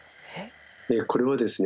これはですね